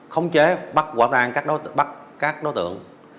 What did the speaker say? khống chế bắt quả tang các đối tượng